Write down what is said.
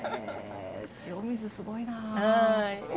塩水すごいな。